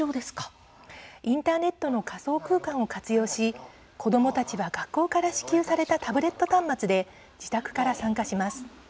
インターネットの仮想空間を活用し子どもたちは学校から支給されたタブレット端末で自宅から参加します。